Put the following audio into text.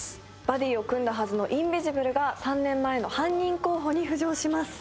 バディを組んだはずのインビジブルが３年前の犯人候補に浮上します